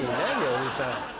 おじさん。